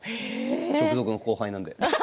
直属の後輩なので。